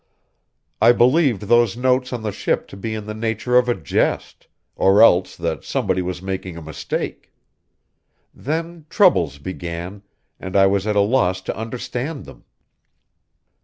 "I believed those notes on the ship to be in the nature of a jest, or else that somebody was making a mistake. Then troubles began, and I was at a loss to understand them.